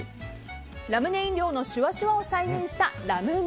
ラムネ飲料のシュワシュワを再現したラムネ。